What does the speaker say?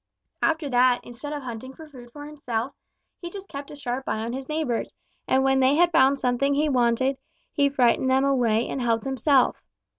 "After that, instead of hunting for food himself, he just kept a sharp eye on his neighbors, and when they had found something he wanted, he frightened them away and helped himself.